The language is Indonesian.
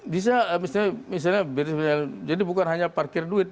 bisa misalnya jadi bukan hanya parkir duit